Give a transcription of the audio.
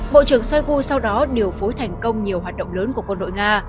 bộ trưởng shoigu sau đó điều phối thành công nhiều hoạt động lớn của quân đội nga